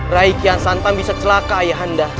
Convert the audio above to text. rakyat santan bisa celaka ayah anda